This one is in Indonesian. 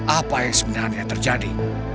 apa yang sebenarnya terjadi